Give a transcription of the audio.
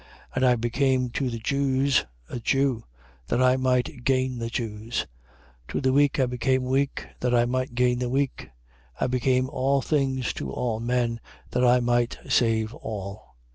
9:20. And I became to the Jews a Jew, that I might gain the Jews: 9:22. To the weak I became weak, that I might gain the weak. I became all things to all men, that I might save all.